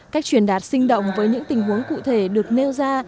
cách truyền đạt sinh động với những tình huống cụ thể được nêu ra